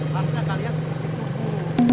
langkah kalian seperti kuku